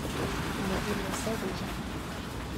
Mais il le sait déjà.